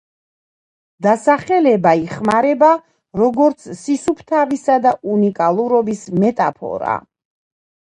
დასახელება იხმარება, როგორც სისუფთავისა და უნიკალურობის მეტაფორა.